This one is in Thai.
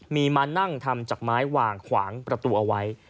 มีมานั่งทำจากไม้วางขวางประตูเอาไว้